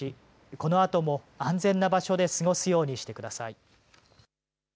このあとも安全な場所で過ごすようにしてください。